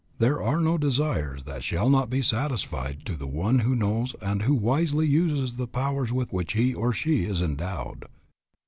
There are no desires that shall not be satisfied to the one who knows and who wisely uses the powers with which he or she is endowed.